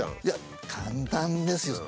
いや簡単ですよ。